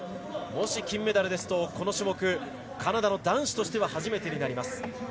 もし金メダルですとこの種目、カナダの男子としては初めてになります。